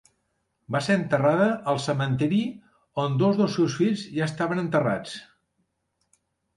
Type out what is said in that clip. Va ser enterrada al cementiri on dos dels seus fills ja estaven enterrats.